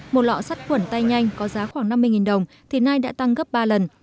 một lọ sắt quẩn tay nhanh có giá khoảng năm mươi đồng thì nay đã tăng gấp ba lần